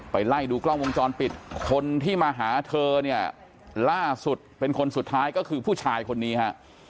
ไล่ดูกล้องวงจรปิดคนที่มาหาเธอเนี่ยล่าสุดเป็นคนสุดท้ายก็คือผู้ชายคนนี้ฮะ